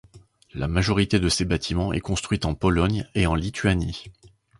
La majorité de ses bâtiments est construite en Pologne et en Lituanie.